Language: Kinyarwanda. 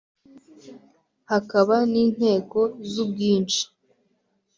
hakaba ni nteko zu bwinshi.